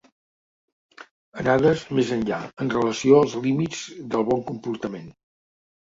Anades més enllà, en relació als límits del bon comportament.